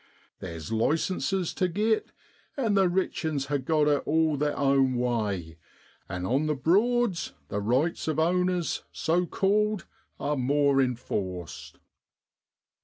Theer's licenses tu git, and the rich 'uns ha' got it all theer own way, and on the Broads the rights of owners so called are more enforced.'